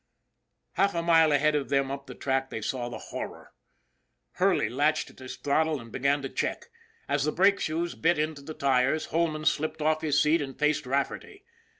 Half a mile ahead of them up the track they saw the horror. Hurley latched in his throttle and began to check. As the brake shoes bit into the tires, Holman slipped off his seat and faced Rafferty.